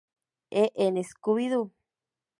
E en "Scooby-Doo!